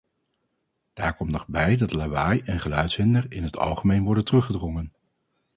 Daar komt nog bij dat lawaai en geluidshinder in het algemeen worden teruggedrongen.